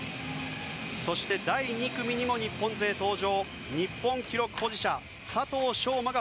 そして、第２組にも日本勢が登場。